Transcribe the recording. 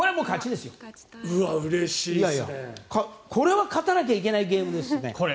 これは勝たなきゃいけないゲームですよね。